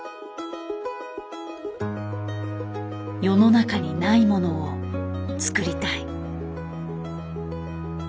「世の中にないものを作りたい」。